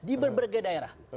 di berbagai daerah